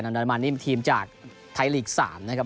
โอร์แกรนด์อันดามันนี่ทีมจากไทยลีกส์๓นะครับ